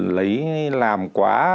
lấy làm quá